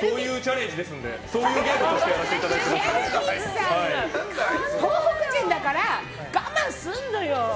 そういうチャレンジですんでそういうチャレンジとして東北人だから、我慢するのよ。